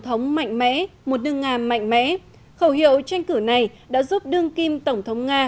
thống mạnh mẽ một đương nga mạnh mẽ khẩu hiệu tranh cử này đã giúp đương kim tổng thống nga